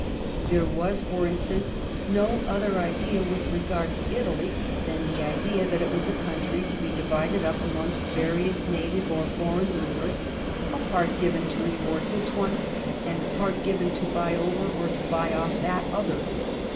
There was, for instance, no other idea with regard to Italy than the idea that it was a country to be divided up amongst various native or foreign rulers, a part given to reward this one and a part given to buy over or to buy off that other.